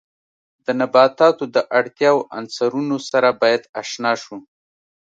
د نباتاتو د اړتیاوو عنصرونو سره باید آشنا شو.